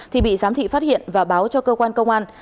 thì bị giám thị phát hiện và báo cho cơ quan công an